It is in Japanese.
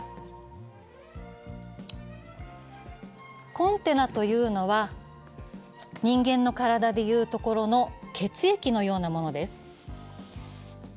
コンテナというのは人間の体でいうところの血液のようなものです。